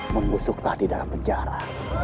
mengusuklah di dalam penjara